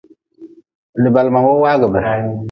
Li balma wo waagʼbe.